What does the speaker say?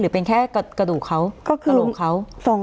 เป็นแค่กระดูกเขาก็กระโหลกเขา